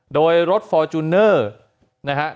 โดยรถฟอร์จูเนอร์นะครับ